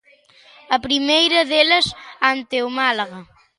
A primeira delas, ante o Málaga.